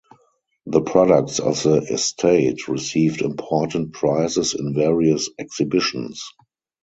The products of the estate received important prizes in various exhibitions.